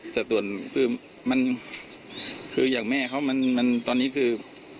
แต่ส่วนคือมันคืออย่างแม่เขามันตอนนี้คือ